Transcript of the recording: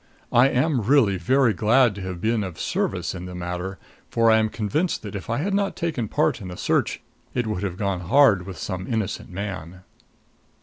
I am really very glad to have been of service in the matter, for I am convinced that if I had not taken part in the search it would have gone hard with some innocent man."